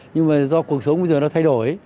nhưng mà do cuộc sống bây giờ nó thay đổi